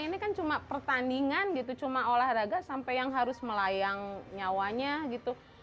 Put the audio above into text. ini kan cuma pertandingan gitu cuma olahraga sampai yang harus melayang nyawanya gitu